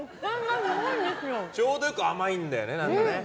ちょうどよく甘いんだよね。